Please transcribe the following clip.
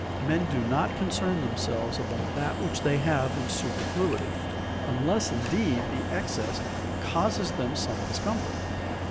Men do not concern themselves about that which they have in superfluity unless, indeed, the excess causes them some discomfort.